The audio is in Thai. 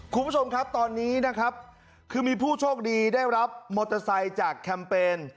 คุณผู้ชมครับตอนนี้นะครับคือมีผู้โชคดีได้รับมอเตอร์ไซค์จากแคมเปญ